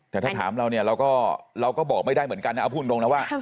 แต่ถ้าถามเราเนี่ยเราก็บอกไม่ได้เหมือนกันนะเอาพูดตรงนะว่า